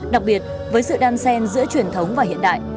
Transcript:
đặc biệt với sự đan sen giữa truyền thống và hiện đại